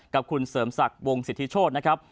กับคุณเสริมศักดิ์วงสิทธิโชธนะครับ